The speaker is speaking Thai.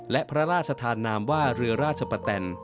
และพระราชธานามว่าเรือราชปะแตน